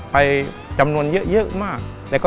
ไปจำนวนเยอะมาก